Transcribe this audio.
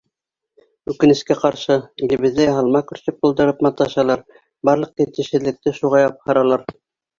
Үкенескә ҡаршы, илебеҙҙә яһалма көрсөк булдырып маташалар, барлыҡ етешһеҙлекте шуға япһаралар.